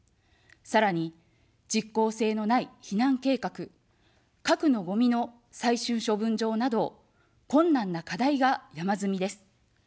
さらに、実効性のない避難計画、核のごみの最終処分場など、困難な課題が山積みです。